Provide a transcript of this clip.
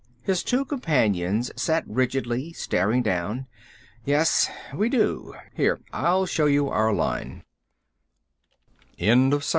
His two companions sat rigidly, staring down. "Yes, we do. Here, I'll show you our line." He opened the case.